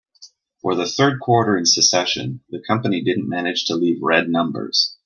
For the third quarter in succession, the company didn't manage to leave red numbers.